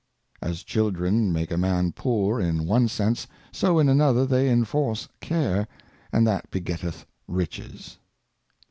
As Children make a Man poor in one Sense, so in another they inforce Care, and that begetteth Riches.